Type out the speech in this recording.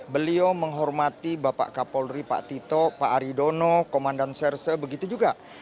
beliau menghormati bapak kapolri pak tito pak aridono komandan serse begitu juga